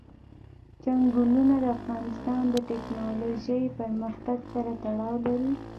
چنګلونه د افغانستان د تکنالوژۍ پرمختګ سره تړاو لري.